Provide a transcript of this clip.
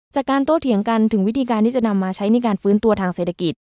จากการโต้เถียงกันถึงวิธีการที่จะนำมาใช้ในการฟื้นตัวทางเศรษฐกิจ